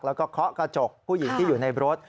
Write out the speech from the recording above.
แล้วก็เคาะกระจกผู้หญิงที่อยู่ในรถ